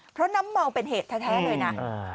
เพราะน้ำเมาเป็นเหตุแท้เลยนะ